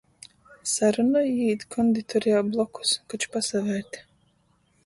Sarunoj īīt konditorejā blokus, koč pasavērt.